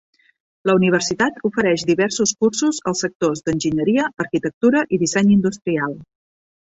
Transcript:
La universitat ofereix diversos cursos als sectors d'enginyeria, arquitectura i disseny industrial.